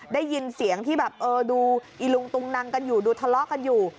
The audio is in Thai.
ได้ยินเสียงที่แบบเออดูอีลุงตุงนังกันอยู่ดูทะเลาะกันอยู่